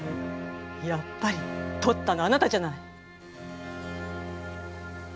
やっぱりとったのあなたじゃない！